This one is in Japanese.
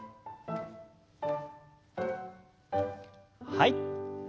はい。